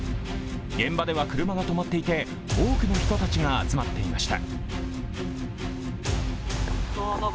現場では車が止まっていて多くの人たちが集まっていました。